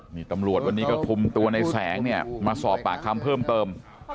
นี่ตำรวจวันนี้ก็คุมตัวในแสงเนี่ยมาสอบปากคำเพิ่มเติม